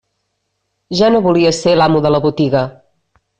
Ja no volia ser l'amo de la botiga.